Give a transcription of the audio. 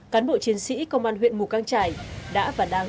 cán bộ chiến sĩ công an huyện mù căng trải đã và đang